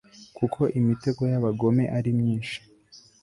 kuko imitego y'abagome ari myinshi